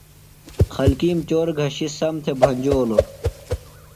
خلکِیم چور گھشیۡ سم تھےۡ بھنجولوۡ۔